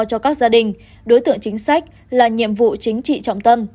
cho các gia đình đối tượng chính sách là nhiệm vụ chính trị trọng tâm